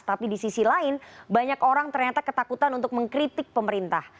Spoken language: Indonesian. tapi di sisi lain banyak orang ternyata ketakutan untuk mengkritik pemerintah